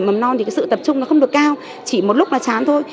với trẻ mầm non thì sự tập trung nó không được cao chỉ một lúc là chán thôi